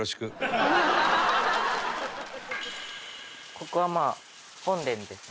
ここはまあ本殿です。